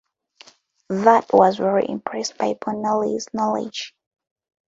Vat was very impressed by Bonelli's knowledge.